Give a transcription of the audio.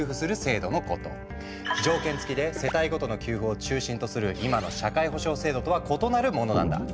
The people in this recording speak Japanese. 条件付きで世帯ごとの給付を中心とする今の社会保障制度とは異なるものなんだ。